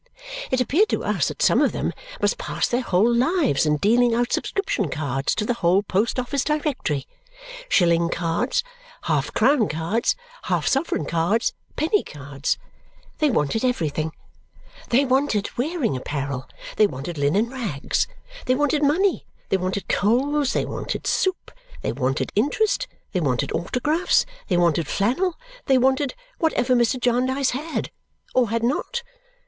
It appeared to us that some of them must pass their whole lives in dealing out subscription cards to the whole post office directory shilling cards, half crown cards, half sovereign cards, penny cards. They wanted everything. They wanted wearing apparel, they wanted linen rags, they wanted money, they wanted coals, they wanted soup, they wanted interest, they wanted autographs, they wanted flannel, they wanted whatever Mr. Jarndyce had or had not.